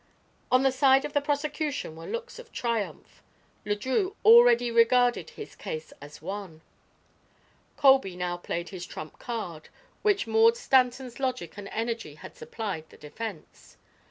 On the side of the prosecution were looks of triumph. Le Drieux already regarded his case as won. Colby now played his trump card, which Maud Stanton's logic and energy had supplied the defense.